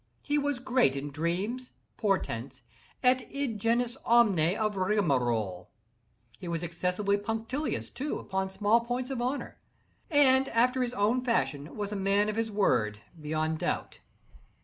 He was great in dreams, portents, et id genus omne of rigmarole. He was excessively punctilious, too, upon small points of honor, and, after his own fashion, was a man of his word, beyond doubt.